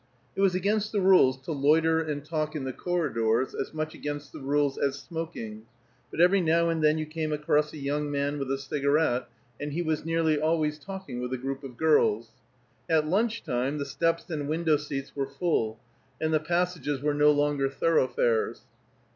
It was against the rules to loiter and talk in the corridors, as much against the rules as smoking; but every now and then you came upon a young man with a cigarette, and he was nearly always talking with a group of girls. At lunch time the steps and window seats were full, and the passages were no longer thoroughfares.